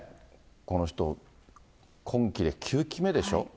この人、今期で９期目でしょ。